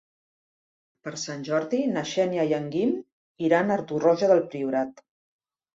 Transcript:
Per Sant Jordi na Xènia i en Guim iran a Torroja del Priorat.